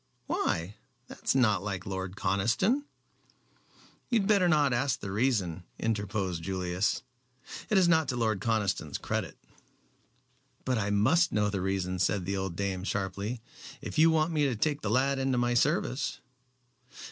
"Why? That is not like Lord Conniston." "You had better not ask the reason," interposed Julius; "it is not to Lord Conniston's credit." "But I must know the reason," said the old dame, sharply, "if you want me to take the lad into my service."